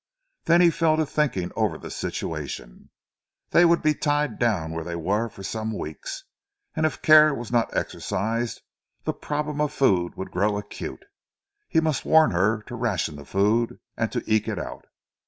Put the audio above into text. Then he fell to thinking over the situation. They would be tied down where they were for some weeks, and if care was not exercised the problem of food would grow acute. He must warn her to ration the food and to eke it out.